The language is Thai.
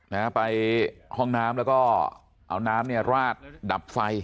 นะฮะไปห้องน้ำแล้วก็เอาน้ำเนี่ยราดดับไฟ